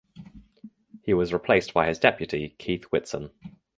He was replaced by his deputy Keith Whitson.